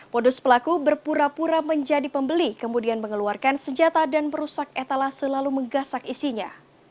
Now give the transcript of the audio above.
modus pelaku berpura pura menjadi pembeli kemudian mengeluarkan senjata dan merusak etala selalu menggasak isinya